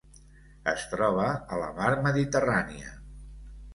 Es troba a la mar Mediterrània: